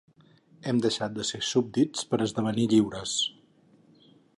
Hem deixat de ser súbdits per esdevenir lliures.